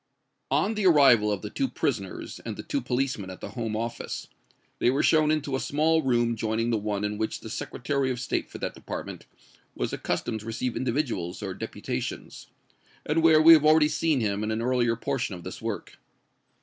On the arrival of the two prisoners and the two policemen at the Home Office, they were shown into a small room joining the one in which the Secretary of State for that Department was accustomed to receive individuals or deputations, and where we have already seen him in an earlier portion of this work.